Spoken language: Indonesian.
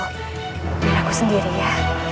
biar aku sendiri ya